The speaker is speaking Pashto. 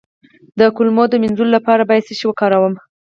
د کولمو د مینځلو لپاره باید څه شی وکاروم؟